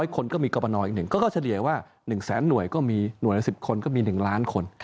คนก็มีกรปนอีก๑ก็เฉลี่ยว่า๑แสนหน่วยก็มีหน่วยละ๑๐คนก็มี๑ล้านคน